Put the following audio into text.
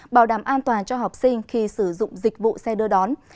bảo đảm an toàn cho học sinh khi sử dụng dịch vụ xe đưa đón